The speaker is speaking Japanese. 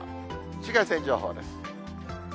紫外線情報です。